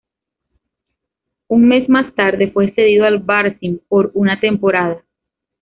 Un mes más tarde fue cedido al Varzim por una temporada.